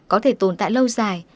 có thể tồn tại lâu dài